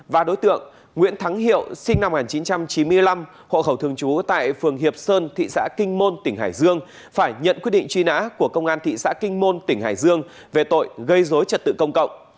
và đối tượng nguyễn thắng hiệu sinh năm một nghìn chín trăm chín mươi năm hộ khẩu thường trú tại phường hiệp sơn thị xã kinh môn tỉnh hải dương phải nhận quyết định truy nã của công an thị xã kinh môn tỉnh hải dương về tội gây dối trật tự công cộng